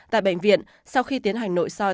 tại bệnh viện sau khi tiến hành nội soi